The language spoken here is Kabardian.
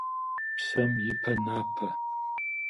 Псэм ипэ напэ.